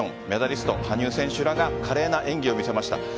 メダリスト、羽生選手らが華麗な演技を見せました。